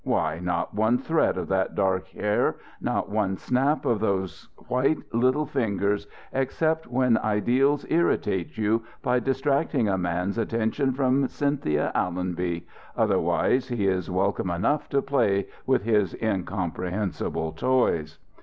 Why, not one thread of that dark hair, not one snap of those white little fingers, except when ideals irritate you by distracting a man's attention from Cynthia Allonby. Otherwise, he is welcome enough to play with his incomprehensible toys."